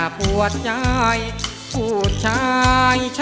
เพลง